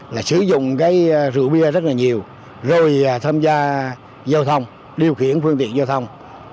là sử dụng cái rượu bia rất là nhiều rồi tham gia giao thông điều khiển phương tiện giao thông